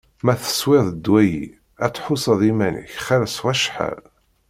Ma teswiḍ ddwa-yi, ad tḥusseḍ iman-ik xir s wacḥal.